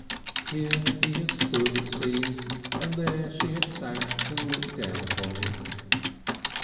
Here he had stood, it seemed, and there she had sat and looked down upon him.